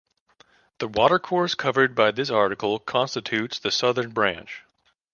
The watercourse covered by this article constitutes the southern branch.